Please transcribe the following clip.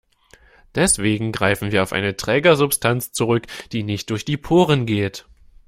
Deswegen greifen wir auf eine Trägersubstanz zurück, die nicht durch die Poren geht.